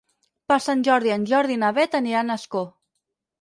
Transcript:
Per Sant Jordi en Jordi i na Beth aniran a Ascó.